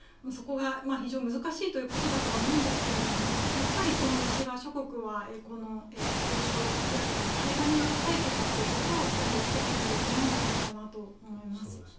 そこが非常に難しいということだとは思うんですけどやっぱり西側諸国は交渉であったり対話による解決というところを諦めてはいけないんじゃないかと思います。